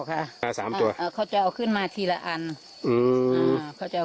ค่ะอ่าสามตัวอ่าเขาจะเอาขึ้นมาทีละอันอืมอ่าเขาจะเอา